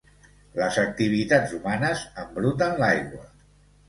Les activitats humanes embruten l'aigua.